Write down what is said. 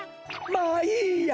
まあいいや。